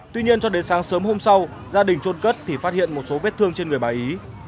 tuy nhiên cho đến sáng sớm hôm sau gia đình trôn cất thì phát hiện một số vết thương trên người bà ý